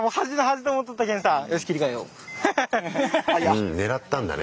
うん狙ったんだね